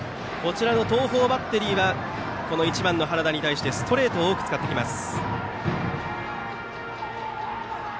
東邦バッテリーは１番の原田に対してストレートを多く使ってきます。